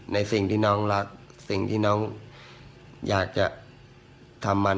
ในสิ่งที่น้องรักสิ่งที่น้องอยากจะทำมัน